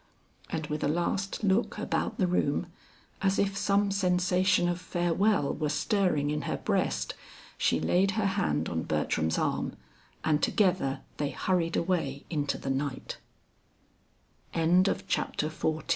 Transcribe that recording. And with a last look about the room, as if some sensation of farewell were stirring in her breast, she laid her hand on Bertram's arm, and together they hurried away into the night. BOOK V. WOMAN'S LOVE. XLI. THE WORK OF AN HOUR.